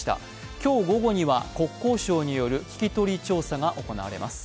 今日午後には国交省による聞き取り調査が行われます。